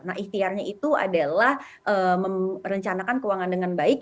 nah ikhtiarnya itu adalah merencanakan keuangan dengan baik